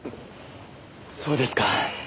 そうですか。